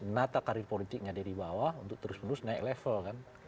mata karir politiknya dari bawah untuk terus menerus naik level kan